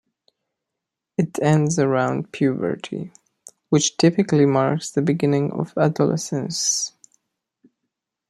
It ends around puberty, which typically marks the beginning of adolescence.